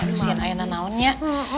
lusian ayah nanawannya